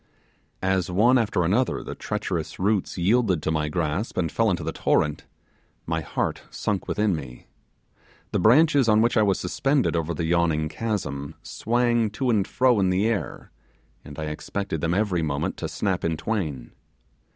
As one after another the treacherous roots yielded to my grasp, and fell into the torrent, my heart sunk within me. The branches on which I was suspended over the yawning chasm swang to and fro in the air, and I expected them every moment to snap in twain.